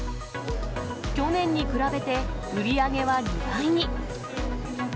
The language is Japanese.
去年に比べて、売り上げは２倍に。